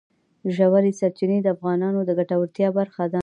ژورې سرچینې د افغانانو د ګټورتیا برخه ده.